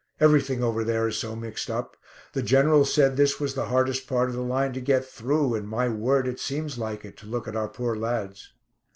"Everything over there is so mixed up. The General said this was the hardest part of the line to get through, and my word it seems like it, to look at our poor lads."